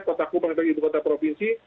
kota kupang kota provinsi